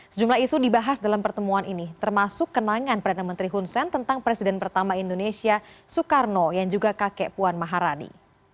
sejumlah isu dibahas dalam pertemuan ini termasuk kenangan perdana menteri hun sen tentang presiden pertama indonesia soekarno yang juga kakek puan maharani